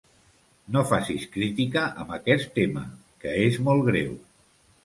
No facis crítica amb aquest tema, que és molt greu.